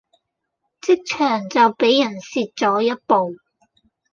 職場就比人蝕左一步